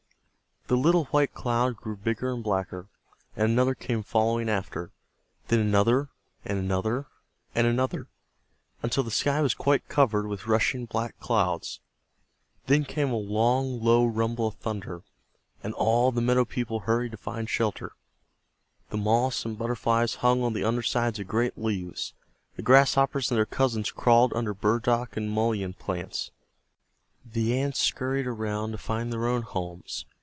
The little white cloud, grew bigger and blacker, and another came following after, then another, and another, and another, until the sky was quite covered with rushing black clouds. Then came a long, low rumble of thunder, and all the meadow people hurried to find shelter. The Moths and Butterflies hung on the under sides of great leaves. The Grasshoppers and their cousins crawled under burdock and mullein plants. The Ants scurried around to find their own homes.